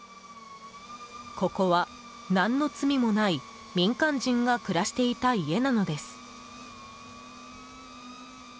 ここは、何の罪もない民間人が暮らしていた家なのです。